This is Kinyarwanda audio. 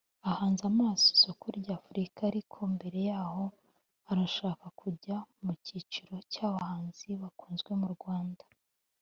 Ahanze amaso isoko rya Afurika ariko mbere y’aho arashaka kujya mu cyiciro cy’abahanzi bakunzwe mu Rwanda